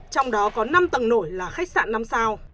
trong đó có năm tầng nổi là khách sạn năm sao